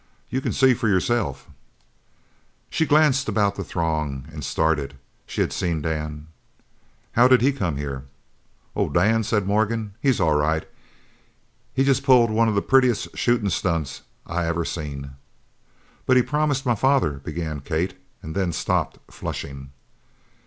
You can see for yourself." She glanced about the throng and started. She had seen Dan. "How did he come here?" "Oh, Dan?" said Morgan, "he's all right. He just pulled one of the prettiest shootin' stunts I ever seen." "But he promised my father " began Kate, and then stopped, flushing.